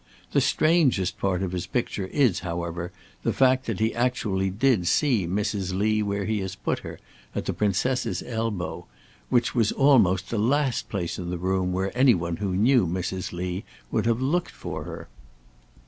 The strangest part of his picture is, however, the fact that he actually did see Mrs. Lee where he has put her, at the Princess's elbow, which was almost the last place in the room where any one who knew Mrs. Lee would have looked for her.